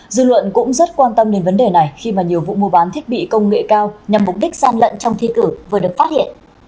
dư luận cũng rất quan tâm đến vấn đề này khi nhiều vụ mua bán thiết bị công nghệ cao nhằm mục đích gian lận trong thi cử vừa được phát hiện